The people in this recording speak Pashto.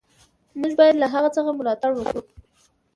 موږ باید له هغه څه ملاتړ وکړو.